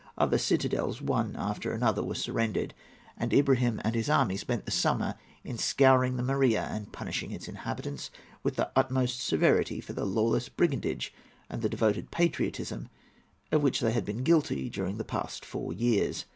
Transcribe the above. Other citadels, one after another, were surrendered; and Ibrahim and his army spent the summer in scouring the Morea and punishing its inhabitants, with the utmost severity, for the lawless brigandage and the devoted patriotism of which they had been guilty during the past four years.